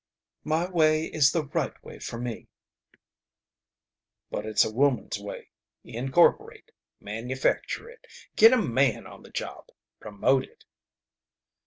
"My way is the right way for me." "But it's a woman's way. Incorporate. Manufacture it. Get a man on the job. Promote it!"